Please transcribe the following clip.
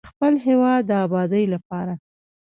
د خپل هیواد د ابادۍ لپاره.